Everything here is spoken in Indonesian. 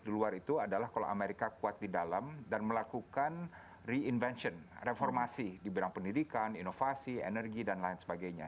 di luar itu adalah kalau amerika kuat di dalam dan melakukan reinvention reformasi di bidang pendidikan inovasi energi dan lain sebagainya